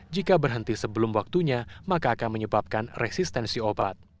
jika berhenti sebelum waktunya maka akan menyebabkan resistensi obat